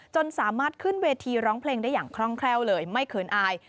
จนสามารถขึ้นเวทีร้องเพลงได้อย่างคล่องแคล่วเลยไม่เขินอาย